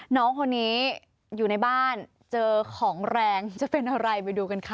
น้องคนนี้อยู่ในบ้านเจอของแรงจะเป็นอะไรไปดูกันค่ะ